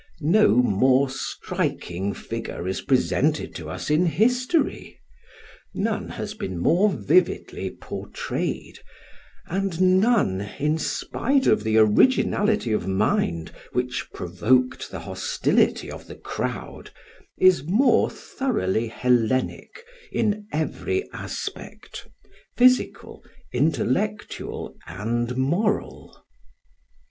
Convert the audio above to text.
No more striking figure is presented to us in history, none has been more vividly portrayed, and none, in spite of the originality of mind which provoked the hostility of the crowd, is more thoroughly Hellenic in every aspect, physical, intellectual, and moral.